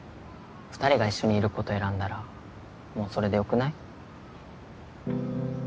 二人が一緒にいること選んだらもうそれでよくない？